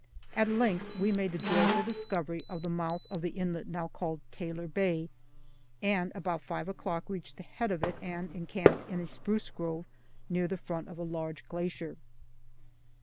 At length we made the joyful discovery of the mouth of the inlet now called "Taylor Bay," and about five o'clock reached the head of it and encamped in a spruce grove near the front of a large glacier.